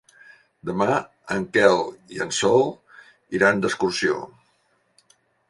Demà en Quel i en Sol iran d'excursió.